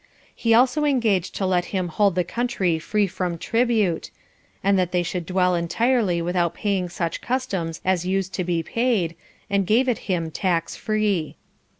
He also engaged to let him hold the country free from tribute, and that they should dwell entirely without paying such customs as used to be paid, and gave it him tax free.